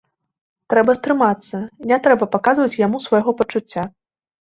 Трэба стрымацца, не трэба паказваць яму свайго пачуцця.